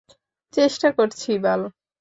চেষ্টা করছি, বাল!